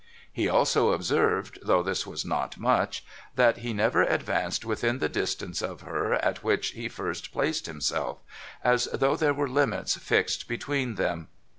He also observed— though this was not much — that he never advanced within the distance of her at which he first placed himself: as though there were limits fixed between them.